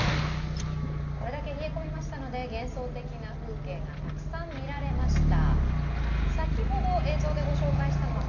これだけ冷え込みましたので、幻想的な風景がたくさん見られました。